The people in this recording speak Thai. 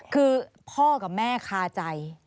คือพ่อกับแม่คาใจ